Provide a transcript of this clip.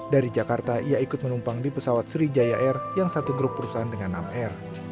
dari jakarta ia ikut menumpang di pesawat sriwijaya air yang satu grup perusahaan dengan enam r